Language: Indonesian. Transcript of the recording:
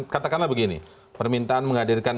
katakanlah begini permintaan menghadirkan